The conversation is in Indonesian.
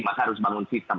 maka harus bangun sistem